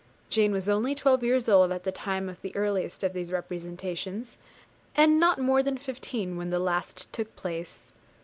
Jane was only twelve years old at the time of the earliest of these representations, and not more than fifteen when the last took place.